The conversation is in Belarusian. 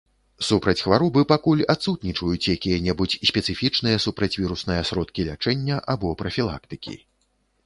Супраць хваробы пакуль адсутнічаюць якія-небудзь спецыфічныя супрацьвірусныя сродкі лячэння або прафілактыкі.